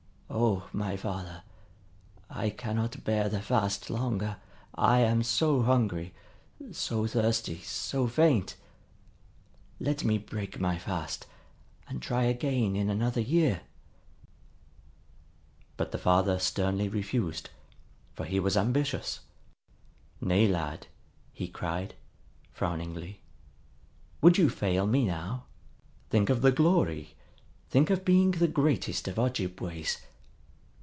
O my father, I cannot bear the fast longer! I am so hungry, so thirsty, so faint! Let me break my fast, and try again in another year." But the father sternly refused, for he was ambitious. "Nay, lad," he cried, frowningly. "Would you fail me now? Think of the glory, think of being the greatest of Ojibways.